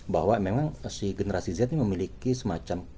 bahwa memang si generasi z ini memiliki semacam